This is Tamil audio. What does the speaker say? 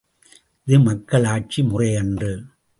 இது மக்களாட்சி முறையன்று!